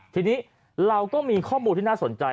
ทีนี้เราก็มีข้อมูลที่น่าสนใจ